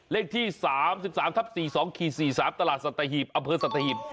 เลขที่๓๓ทับ๔๒๔๓ตลาดสัตหีบอำเภอสัตหีบ